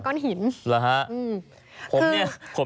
คราวนี้แม่งก้อนหิน